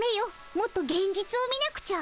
もっとげん実を見なくちゃ。